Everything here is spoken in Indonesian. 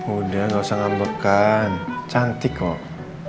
udah gak usah ngambekan cantik kok